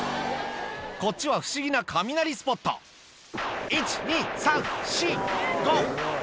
こっちは不思議な雷スポット１・２・３・４・５・６！